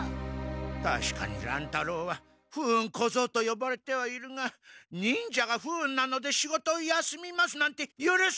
たしかに乱太郎は不運小僧とよばれてはいるが忍者が「不運なので仕事を休みます」なんてゆるされん！